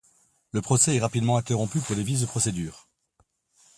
Le procès est rapidement interrompu pour des vices de procédure.